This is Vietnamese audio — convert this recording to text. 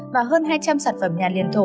và hơn hai trăm linh sản phẩm nhà liền thổ